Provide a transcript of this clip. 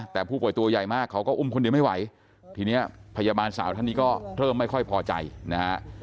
แต่ผู้ป่วยตัวใหญ่มากเขาก็อุ้มคนเดียวไม่ไหวทีนี้พยาบาลสาวท่านนี้ก็เริ่มไม่ค่อยพอใจนะฮะ